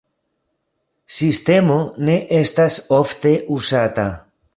Sistemo ne estas ofte uzata.